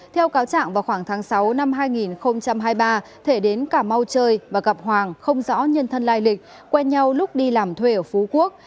theo cáo trạng vào khoảng tháng sáu năm hai nghìn hai mươi ba thể đến cảm mau chơi và gặp hoàng không rõ nhân thân lai lịch quen nhau lúc đi làm thuê ở phú quốc